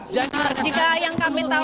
jika yang kami tahu